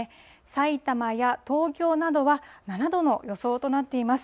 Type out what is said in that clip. さいたまや東京などは、７度の予想となっています。